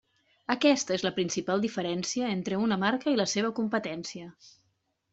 Aquesta és la principal diferència entre una marca i la seva competència.